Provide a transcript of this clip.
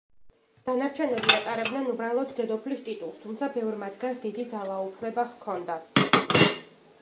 დანარჩენები ატარებდნენ უბრალოდ დედოფლის ტიტულს, თუმცა ბევრ მათგანს დიდი ძალაუფლება ჰქონდა.